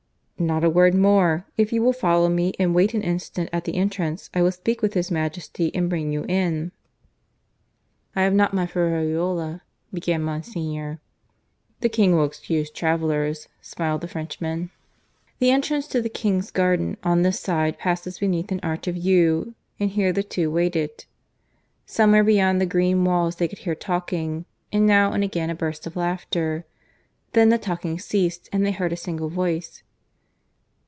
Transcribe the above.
"Not a word more! If you will follow me and wait an instant at the entrance, I will speak with His Majesty and bring you in." "I have not my ferraiuola " began Monsignor. "The King will excuse travellers," smiled the Frenchman. The entrance to the "King's Garden" on this side passes beneath an arch of yew, and here the two waited. Somewhere beyond the green walls they could hear talking, and now and again a burst of laughter. Then the talking ceased, and they heard a single voice.